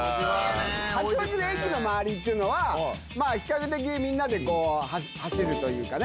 八王子駅の周りっていうのは、比較的、みんなで走るというかね。